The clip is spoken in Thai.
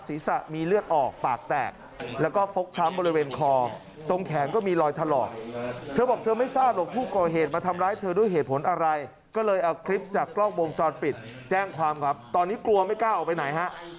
ไม่สนใจไงว่าแบบมีคนตามขนาดนี้เพราะว่าเขาก็ตามข้างหลังแล้วก็มือมือฟาดกระแทกล้มความเทียบเลย